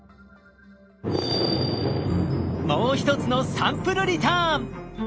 もう一つのサンプルリターン！